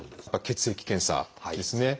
血液検査ですね。